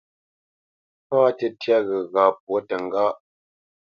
Pâ tə́tyá ghəgha pwǒ təŋgáʼ.